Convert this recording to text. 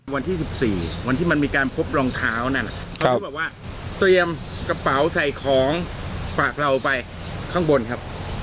วันที่๑๔วันที่มันมีการพบรองเท้านั่นเขาก็บอกว่าเตรียมกระเป๋าใส่ของฝากเราไปข้างบนครับ